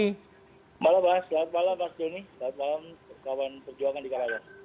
selamat malam pak asmat selamat malam pak asmi selamat malam kawan perjuangan di karawang